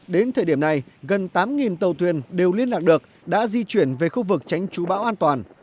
đến thời điểm này gần tám tàu thuyền đều liên lạc được đã di chuyển về khu vực tránh trú bão an toàn